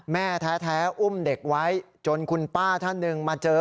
แม่แท้อุ้มเด็กไว้จนคุณป้าท่านหนึ่งมาเจอ